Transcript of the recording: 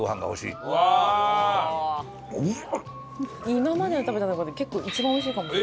今まで食べた中で結構一番美味しいかも。